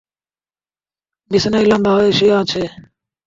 বিছানায় লম্বা হয়ে শুয়ে আছে!